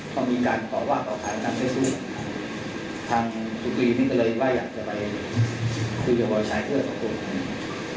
ต้องมีการขอว่าต่อทางเฟซบุ๊กทางสุธีนี่ก็เลยว่าอยากจะไปคุยกับบ่อยชายเพื่อนของผม